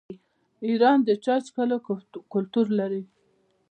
ایران د چای څښلو کلتور لري.